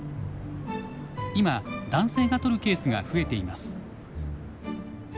今男性が取るケースが増えています。